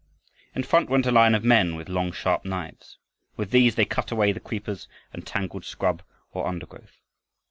In front went a line of men with long sharp knives. With these they cut away the creepers and tangled scrub or undergrowth.